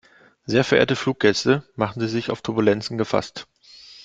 Sehr verehrte Fluggäste, machen Sie sich auf Turbulenzen gefasst.